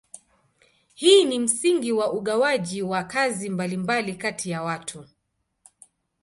Hii ni msingi wa ugawaji wa kazi mbalimbali kati ya watu.